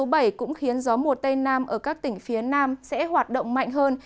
mưa bão số bảy cũng khiến gió mùa tây nam ở các tỉnh phía nam sẽ hoạt động mạnh hơn